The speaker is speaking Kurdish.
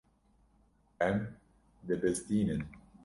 Em dibizdînin.